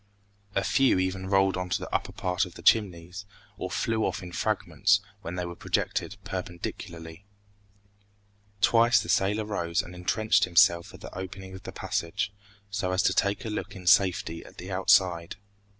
A few even rolled on to the upper part of the Chimneys, or flew off in fragments when they were projected perpendicularly. Twice the sailor rose and intrenched himself at the opening of the passage, so as to take a look in safety at the outside.